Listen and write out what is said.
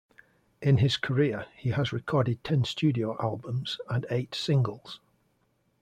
In his career, he has recorded ten studio albums and eight singles.